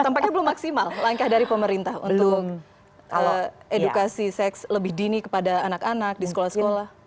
tampaknya belum maksimal langkah dari pemerintah untuk edukasi seks lebih dini kepada anak anak di sekolah sekolah